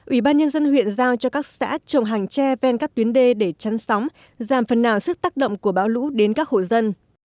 ủy ban nhân dân huyện giao cho các xã trồng hàng tre ven các tuyến đê để chăn sóng giảm phần nào sức tác động của bão lũ đến các hộ dân